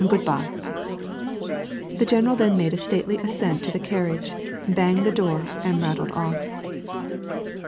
Good by." The general then made a stately ascent into the carriage, banged the door, and rattled off.